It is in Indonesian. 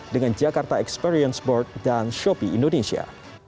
dengan jakarta experience board dan shopee indonesia